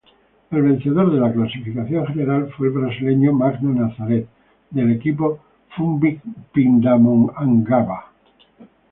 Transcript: El vencedor de la clasificación general fue el brasileño Magno Nazaret del equipo Funvic-Pindamonhangaba.